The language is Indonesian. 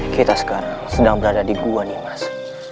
kita sekarang sedang berada di gua nimas